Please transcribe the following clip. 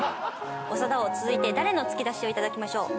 長田王続いて誰の突き出しを頂きましょう？